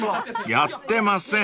［やってません］